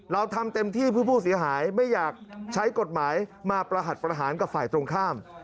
เราทำเต็มที่เพื่อผู้เสียหายไม่อยากใช้กฎหมายมาประหัสประหารกับฝ่ายตรงข้าม